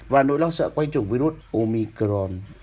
và nỗi lo sợ quay trùng virus omicron